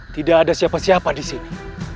tidak ada siapa siapa disini